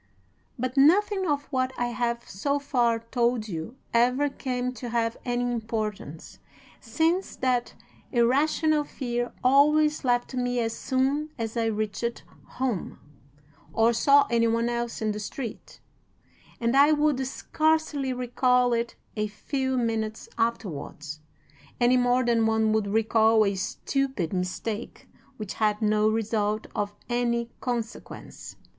But nothing of what I have so far told you ever came to have any importance, since that irrational fear always left me as soon as I reached home, or saw any one else in the street, and I would scarcely recall it a few minutes afterwards, any more than one would recall a stupid mistake which had no result of any consequence.